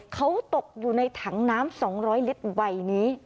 เขาตกอยู่ในถังน้ำ๒๐๐ลิตรใบนี้